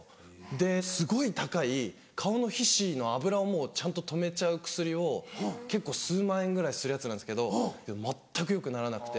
ですごい高い顔の皮脂脂をもうちゃんと止めちゃう薬を結構数万円ぐらいするやつなんですけど全くよくならなくて。